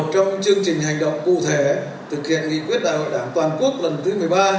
trong chương trình hành động cụ thể thực hiện nghị quyết đại hội đảng toàn quốc lần thứ một mươi ba